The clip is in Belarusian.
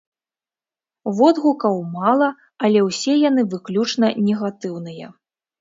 Водгукаў мала, але ўсе яны выключна негатыўныя.